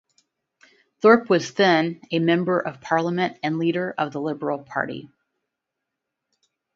Thorpe was then a Member of Parliament and Leader of the Liberal Party.